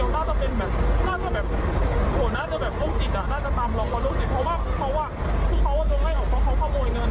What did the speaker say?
ลักษณะนี้ตามเรามา๒ปีแล้วนะอะไรเงี้ย